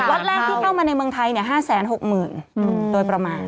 วัดแรกที่เข้ามาในเมืองไทย๕๖๐๐๐โดยประมาณ